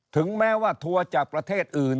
ถึงแม้ว่าทัวร์จากประเทศอื่น